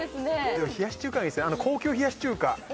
でも冷やし中華ですね高級冷やし中華